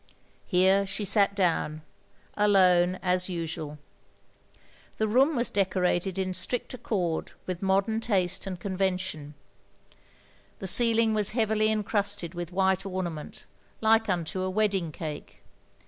Here she sat down ; alone, as usual. The room was decorated in strict accord with modem taste and convention. OF GROSVENOR SQUARE 3 The ceiling was heavily incrusted with white ornament, like unto a wedding cake.